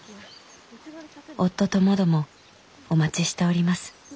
夫ともどもお待ちしております。